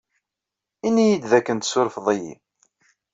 Inni-yi-d d akken tsurfeḍ-iyi.